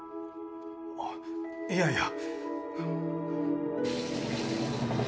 あっいやいや。